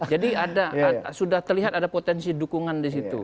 jadi sudah terlihat ada potensi dukungan di situ